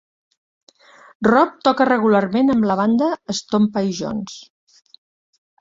Rob toca regularment amb la banda Stompy Jones.